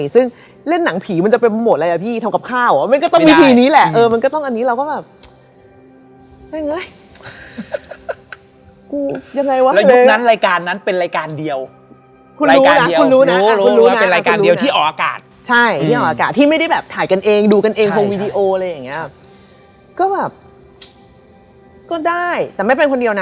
ซึ่งฟังจากแปลนของพี่อุ๋ยแล้วเนี่ย